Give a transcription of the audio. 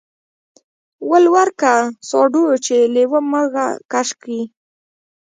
ول ورکه ساډو چې لېوه مږه کش کي.